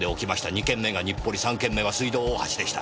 ２件目が日暮里３件目は水道大橋でした。